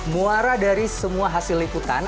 muara dari semua hasil liputan